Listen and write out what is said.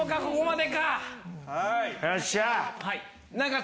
よっしゃあ。